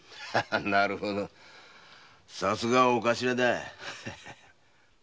なるほどさすがはおカシラだ。